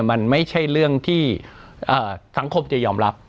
มันไม่ใช่เรื่องที่สังคมจะยอมรับ